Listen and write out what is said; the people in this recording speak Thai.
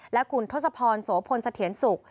และคุณทศพรโสพลสะเถียนสุก